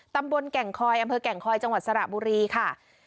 แก่งคอยอำเภอแก่งคอยจังหวัดสระบุรีค่ะ